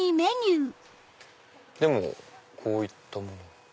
でもこういったものが。